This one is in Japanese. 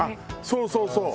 そうそうそう！